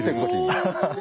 アハハハ。